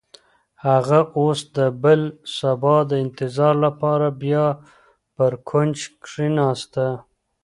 هغه اوس د بل سبا د انتظار لپاره بیا پر کوچ کښېناسته.